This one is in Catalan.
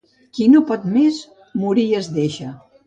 Qui no pot més, morir es deixa.